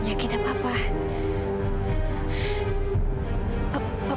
penyakit apa pak